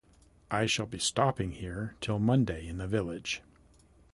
I shall be stopping here till Monday in the village.